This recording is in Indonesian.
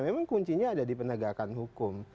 memang kuncinya ada di penegakan hukum